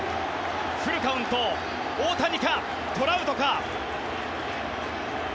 フルカウント大谷かトラウトか。